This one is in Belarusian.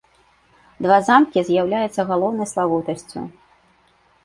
Два замкі з'яўляюцца галоўнай славутасцю.